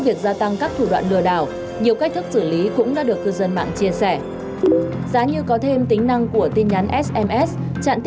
vì đúng là đường của ta này